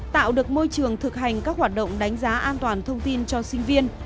tạo được môi trường thực hành các hoạt động đánh giá an toàn thông tin cho sinh viên